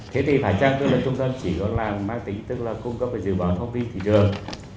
thế thì phải chăng tức là trung tâm chỉ có là mang tính tức là cung cấp về dự báo thông tin thị trường